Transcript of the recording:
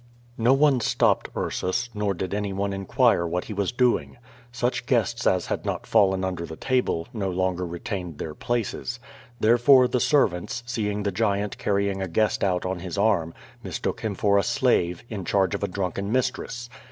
No one slopped Ursus, nor did any one inquire what he was doing. Such guests as had not fallen under the table, no longer retained their places. Therefore, the servants, seeing the giant carrying a guest out on his arm, mistook him for a slave, in charge of a drunken mistress.